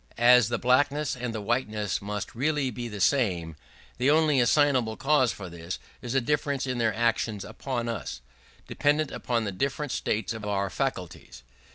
As the blackness and the whiteness must really be the same, the only assignable cause for this is a difference in their actions upon us, dependent upon the different states of our faculties.